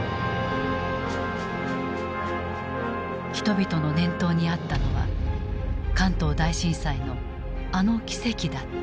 人々の念頭にあったのは関東大震災のあの奇跡だった。